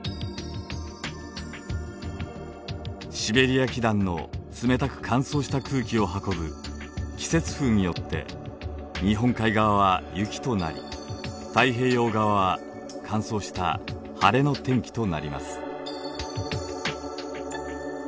シベリア気団の冷たく乾燥した空気を運ぶ季節風によって日本海側は雪となり太平洋側は乾燥した晴れの天気となります。